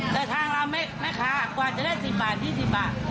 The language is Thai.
แต่ทางเราแม่ค้ากว่าจะได้๑๐บาท๒๐บาท